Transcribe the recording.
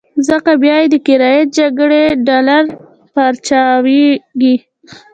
ځکه بيا یې د کرايي جګړې ډالر پارچاوېږي.